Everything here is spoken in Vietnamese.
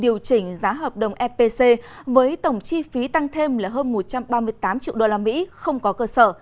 điều chỉnh giá hợp đồng epc với tổng chi phí tăng thêm là hơn một trăm ba mươi tám triệu đô la mỹ không có cơ sở